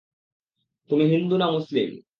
তুমি হিন্দু না মুসলিম?